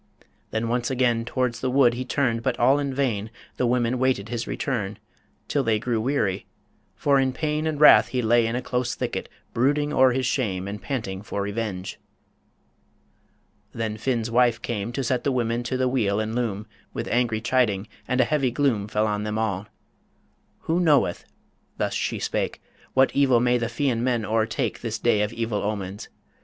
Then once again Towards the wood he turned, but all in vain The women waited his return, till they Grey weary.. for in pain and wrath he lay In a close thicket, brooding o'er his shame, And panting for revenge. Then Finn's wife came To set the women to the wheel and loom, With angry chiding; and a heavy gloom Fell on them all. "Who knoweth," thus she spake, "What evil may the Fian men o'ertake This day of evil omens.